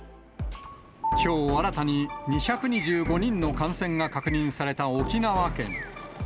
きょう新たに２２５人の感染が確認された沖縄県。